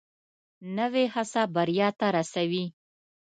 نوې هڅه بریا ته رسوي